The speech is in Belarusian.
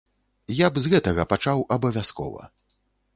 Я б з гэтага пачаў абавязкова.